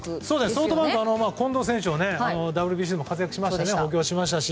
ソフトバンクは近藤選手もＷＢＣで活躍しました。